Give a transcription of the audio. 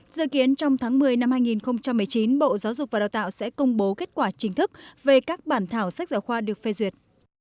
dự kiến trong tháng một mươi năm hai nghìn một mươi chín bộ giáo dục và đào tạo sẽ công bố kết quả chính thức về các bản thảo sách giáo khoa được phê duyệt